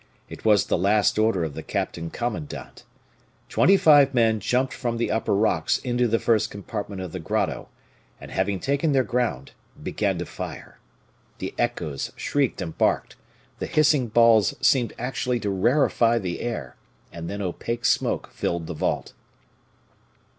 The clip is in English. It was the last order of the captain commandant. Twenty five men jumped from the upper rocks into the first compartment of the grotto, and having taken their ground, began to fire. The echoes shrieked and barked, the hissing balls seemed actually to rarefy the air, and then opaque smoke filled the vault.